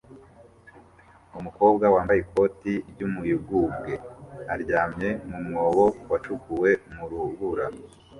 Umukobwa wambaye ikoti ry'umuyugubwe aryamye mu mwobo wacukuwe mu rubura